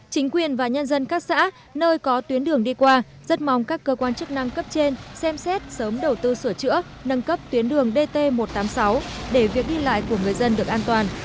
chính quyền và nhân dân các xã nơi có tuyến đường đi qua rất mong các cơ quan chức năng cấp trên xem xét sớm đầu tư sửa chữa nâng cấp tuyến đường dt một trăm tám mươi sáu để việc đi lại của người dân được an toàn